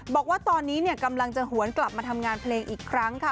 บอกว่าตอนนี้กำลังจะหวนกลับมาทำงานเพลงอีกครั้งค่ะ